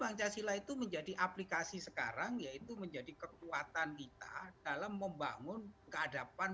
pancasila itu menjadi aplikasi sekarang yaitu menjadi kekuatan kita dalam membangun keadapan